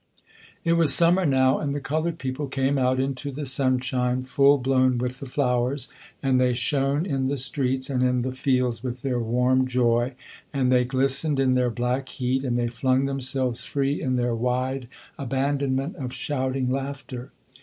It was summer now and the colored people came out into the sunshine, full blown with the flowers. And they shone in the streets and in the fields with their warm joy, and they glistened in their black heat, and they flung themselves free in their wide abandonment of shouting laughter.